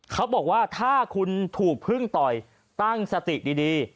เขาบอกว่าถ้าคุณถูกพึ่งต่อยตั้งสติดี